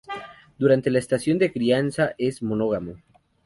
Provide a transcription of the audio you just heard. Durante la estación de crianza es monógamo.